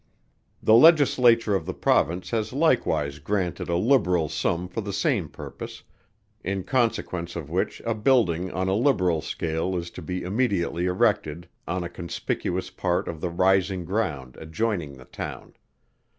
The Legislature of the Province has likewise granted a liberal sum for the same purpose; in consequence of which a building on a liberal scale is to be immediately erected on a conspicuous part of the rising ground adjoining the town.